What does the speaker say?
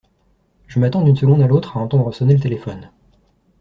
Je m’attends d’une seconde à l’autre à entendre sonner le téléphone.